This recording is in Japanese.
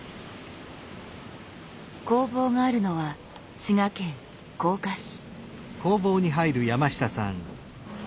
工房があるのは滋賀県甲賀市。